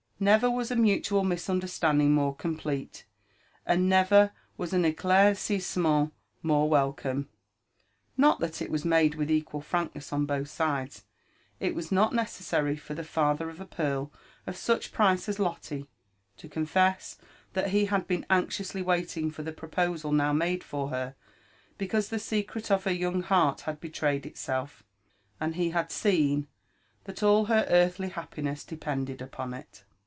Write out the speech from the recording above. Never was a mutual misunderstanding more complete, and never was an Mairciuement more welcome. — Not that it was made ^rith equal frankness on both sides ; it was not necessary for the father of a pearl of such price as Lotte to confess that he had been anxiously waiting for the proposal now made for her, because the secret of her young heart had betrayed itself, and he had seen that all her earthly happiness depended upon it.